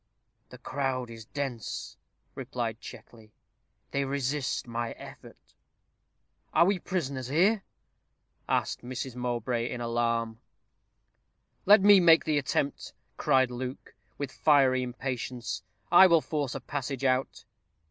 "The crowd is dense," replied Checkley. "They resist my effort." "Are we prisoners here?" asked Mrs. Mowbray, in alarm. "Let me make the attempt," cried Luke, with fiery impatience. "I will force a passage out."